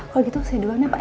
kalau gitu saya duluan ya pak